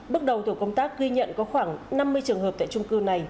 bước đầu tổ công tác ghi nhận có khoảng năm mươi trường hợp tại trung cư này